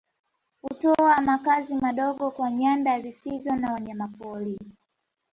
Hutoa makazi madogo kwa nyanda zisizo na wanyamapori